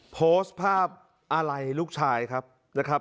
โพสต์ภาพอาลัยลูกชายครับ